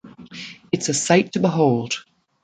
It’s a sight to behold.